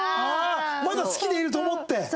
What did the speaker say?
まだ好きでいると思って？